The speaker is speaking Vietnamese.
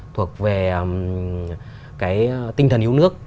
thuộc về cái tinh thần yếu nước